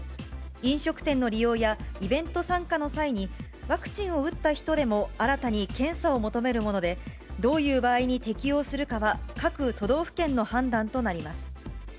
飲食店の利用やイベント参加の際に、ワクチンを打った人でも新たに検査を求めるもので、どういう場合に適用するかは、各都道府県の判断となります。